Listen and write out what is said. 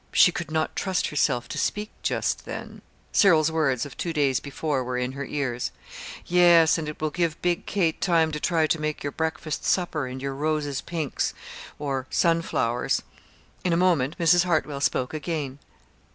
She could not trust herself to speak just then. Cyril's words of two days before were in her ears: "Yes, and it will give Big Kate time to try to make your breakfast supper, and your roses pinks or sunflowers." In a moment Mrs. Hartwell spoke again.